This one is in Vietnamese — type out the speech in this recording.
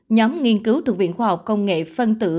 nhóm nghiên cứu thuộc viện khoa học công nghệ phân tử